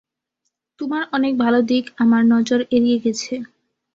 তোমার অনেক ভালো দিক আমার নজর এড়িয়ে গেছে।